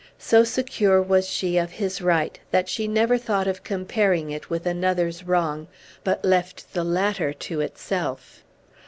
So secure was she of his right, that she never thought of comparing it with another's wrong, but left the latter to itself.